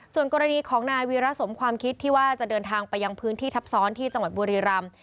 ส่วนกรณีของนายวีระสมความคิดที่ว่าจะเดินทางไปยังพื้นที่ทับซ้อนที่จังหวัดบุรีรำ